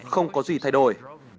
không có gì thay đổi